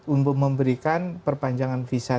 untuk memberikan perpanjangan visa